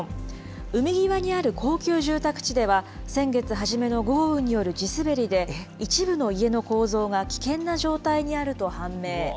海際にある高級住宅地では、先月初めの豪雨による地滑りで、一部の家の構造が危険な状態にあると判明。